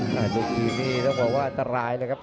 ตอนนี้ต้องบอกว่าตรายเลยครับ